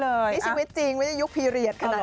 นี่ชีวิตจริงไม่ใช่ยุคพีเรียสขนาดนี้